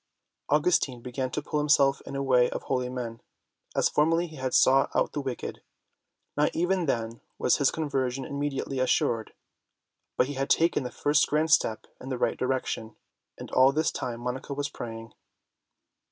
Augustine began to put himself in the way of holy men, as formerly he had sought out the wicked. Not even then was his conversion imme diately assured, but he had taken the first grand step in the right direction. And all this time Monica was praying.